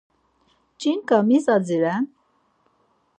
Ç̌inǩa mis adziren?